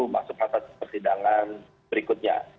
masa persidangan berikutnya